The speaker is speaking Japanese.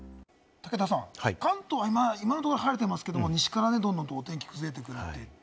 武田さん、関東、今のところ晴れてますけど、西からどんどんお天気が崩れてくるって。